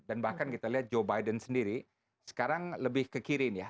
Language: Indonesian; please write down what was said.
dan bahkan kita lihat joe biden sendiri sekarang lebih ke kiri nih ya